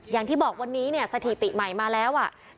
อย่างที่บอกวันนี้สถิติใหม่มาแล้ว